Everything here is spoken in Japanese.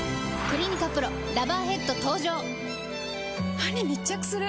歯に密着する！